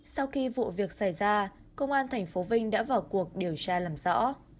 sau khi vụ việc xảy ra công an thành phố vinh đã vào cuộc điều tra làm rõ